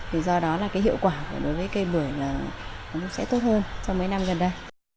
thì do đó là cái hiệu quả đối với cây bưởi là nó sẽ tốt hơn trong mấy năm gần đây